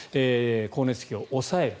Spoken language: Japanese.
光熱費を抑える。